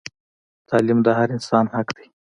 تعلیم د هر انسان حق دی